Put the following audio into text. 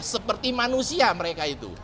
seperti manusia mereka itu